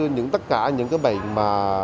như tất cả những bệnh mà